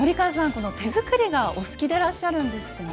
この手作りがお好きでいらっしゃるんですってね。